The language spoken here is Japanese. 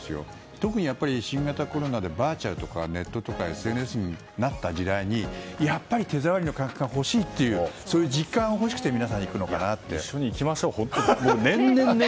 特に新型コロナでバーチャルとかネットとかＳＮＳになった時代にやっぱり手触りの実感が欲しいというそういう実感が欲しくて一緒に行きましょうよ。